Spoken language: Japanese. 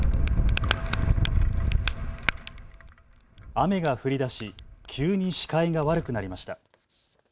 雨が降りだし急に視界が悪くなりました。